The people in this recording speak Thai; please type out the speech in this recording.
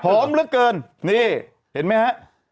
เหลือเกินนี่เห็นไหมฮะ